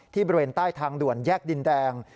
บริเวณใต้ทางด่วนแยกดินแดง